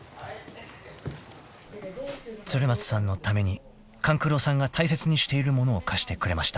［鶴松さんのために勘九郎さんが大切にしている物を貸してくれました］